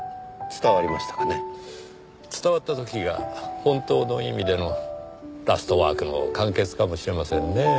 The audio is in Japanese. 伝わった時が本当の意味での『ラストワーク』の完結かもしれませんねぇ。